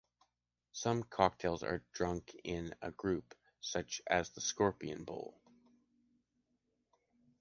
Some cocktails are drunk in a group, such as the scorpion bowl.